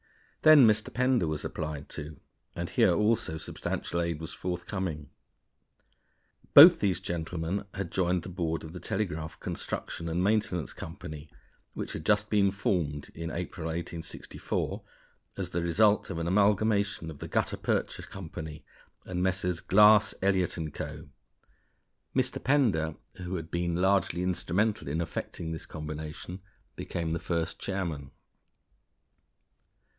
Then Mr. Pender was applied to, and here also substantial aid was forthcoming. Both these gentlemen had joined the board of the Telegraph Construction and Maintenance Company, which had just been formed (in April, 1864) as the result of an amalgamation of the Gutta Percha Company and Messrs. Glass, Elliot & Co. Mr. Pender, who had been largely instrumental in effecting this combination, became the first chairman.